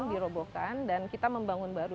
dirobohkan dan kita membangun baru